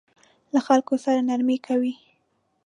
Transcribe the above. له خلکو سره نرمي کوئ